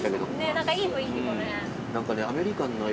いい雰囲気だね。